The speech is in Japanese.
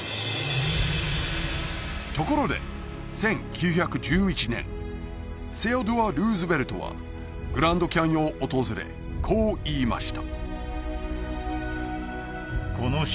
ところで１９１１年セオドア・ルーズベルトはグランドキャニオンを訪れこう言いました